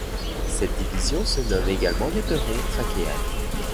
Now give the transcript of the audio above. Cette division se nomme également l'éperon trachéal.